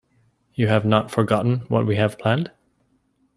You have not forgotten what we have planned?